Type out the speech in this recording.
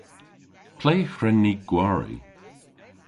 Ple hwren ni gwari?